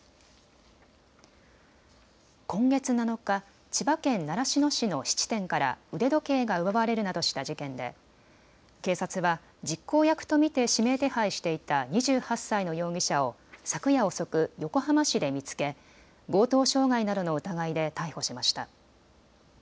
今月７日、千葉県習志野市の質店から腕時計が奪われるなどした事件で警察は実行役と見て指名手配していた２８歳の容疑者を昨夜遅く、横浜市で見つけ強盗傷害などの疑いで逮捕しました。